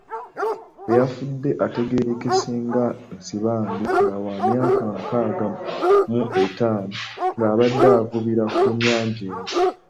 Eyafudde ategerekese nga Nsibambi nga wa myaka nkaaga mu etaano ng'abadde avubira ku nnyanja eno.